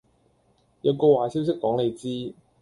有個壞消息講你知